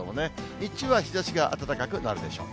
日中は日ざしが暖かくなるでしょう。